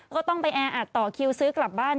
ก็ต้องไปแออัดต่อคิวซื้อกลับบ้าน